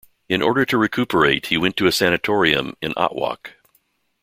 In order to recuperate, he went to a sanatorium in Otwock.